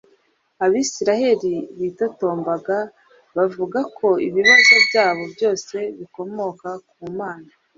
abisirayeli bitotombaga bavuga ko ibibazo byabo byose bikomoka ku mana